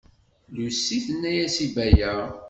Lucy tenna-as i Baya.